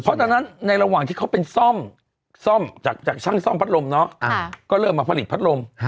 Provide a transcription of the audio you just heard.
เพราะตอนนั้นในระหว่างที่เขาเป็นซ่อมจากช่างซ่อมพัดลมเนาะก็เริ่มมาผลิตพัดลม